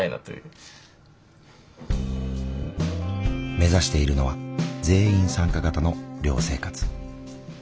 目指しているのは全員参加型の寮生活。